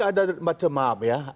ada macam apa ya